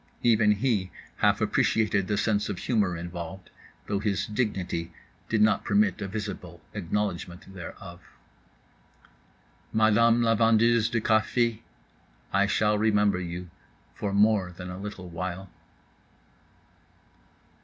Even he half appreciated the sense of humor involved; though his dignity did not permit a visible acknowledgment thereof. Madame la vendeuse de café, I shall remember you for more than a little while.